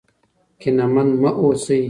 کینمن مه اوسئ.